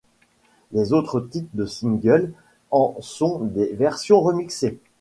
Les autres titres du single en sont des versions remixées.